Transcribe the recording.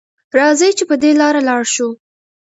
راځئ چې په دې لاره لاړ شو.